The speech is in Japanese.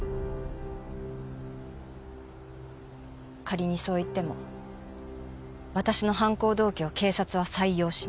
仮にそう言っても私の犯行動機を警察は採用しない。